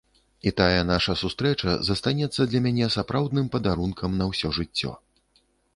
І тая нашая сустрэча застанецца для мяне сапраўдным падарункам на ўсё жыццё.